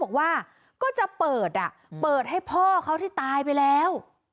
บอกว่าก็จะเปิดอ่ะเปิดเปิดให้พ่อเขาที่ตายไปแล้ว